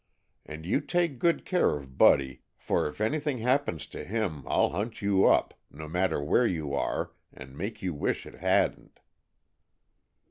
And you take good care of Buddy, for if anything happens to him I'll hunt you up, no matter where you are, and make you wish it hadn't."